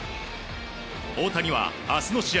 大谷は明日の試合